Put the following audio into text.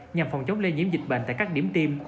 nhằm phòng chống lây nhiễm dịch bệnh tại các điểm tiêm